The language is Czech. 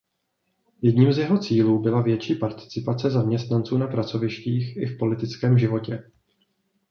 Jedním z jeho cílů byla větší participace zaměstnanců na pracovištích i v politickém životě.